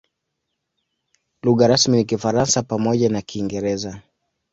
Lugha rasmi ni Kifaransa pamoja na Kiingereza.